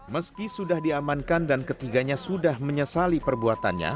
meski sudah diamankan dan ketiganya sudah menyesali perbuatannya